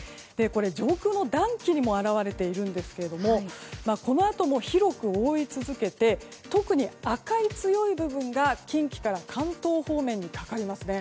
上空の暖気にも表れているんですけれどもこのあとも広く覆い続けて特に赤い強い部分が近畿から関東方面にかかります。